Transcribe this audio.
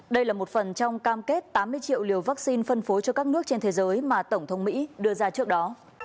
đây là một phần trong cam kết tám mươi triệu liều vaccine phân phối cho các nước trên thế giới mà tổng thống mỹ đưa ra trước đó